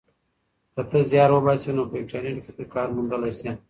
که ته زیار وباسې نو په انټرنیټ کې کار موندلی سې.